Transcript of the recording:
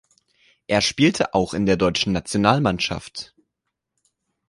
Er spielte auch in der deutschen Nationalmannschaft.